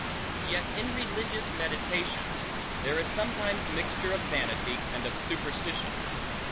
Yet in religious meditations, there is sometimes mixture of vanity, and of superstition.